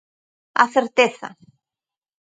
A certeza.